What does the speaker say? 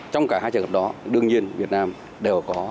trong cả hai trường hợp đó đương nhiên việt nam đều có